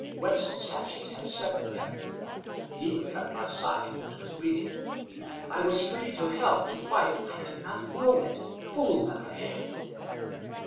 Wetzel's hatchet had severed them; it even cut my side, which was bleeding. I was free to help, to fight, and I did not know it. Fool that I am!"